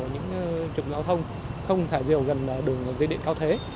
ở những trực giao thông không thả diều gần đường rơi điện cao thế